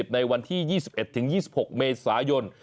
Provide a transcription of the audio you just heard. ในวันที่๒๑๒๖เมษายน